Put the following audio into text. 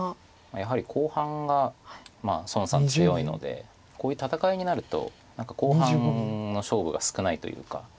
やはり後半が孫さん強いのでこういう戦いになると何か後半の勝負が少ないというか。